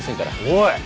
おい！